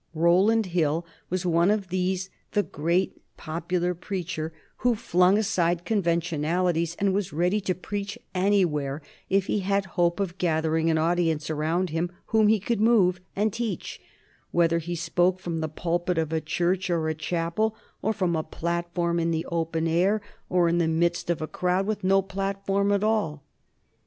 Rowland Hill was one of these, the great popular preacher, who flung aside conventionalities, and was ready to preach anywhere if he had hope of gathering an audience around him whom he could move and teach, whether he spoke from the pulpit of a church or a chapel, or from a platform in the open air, or in the midst of a crowd with no platform at all.